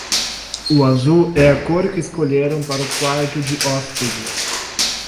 O azul é a cor que escolheram para o quarto de hóspedes.